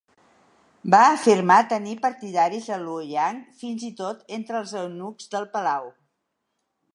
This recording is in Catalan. Va afirmar tenir partidaris a Luoyang, fins i tot entre els eunucs del palau.